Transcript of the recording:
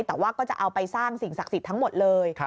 แต่ว่าก็จะเอาไปสร้างสิ่งศักดิ์สิทธิ์ทั้งหมดเลย